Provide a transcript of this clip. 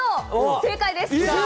正解です！